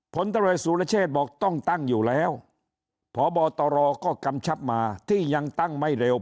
ผลตำรวจสุรเชษบอกต้องตั้งอยู่แล้วพบตรก็กำชับมาที่ยังตั้งไม่เร็ว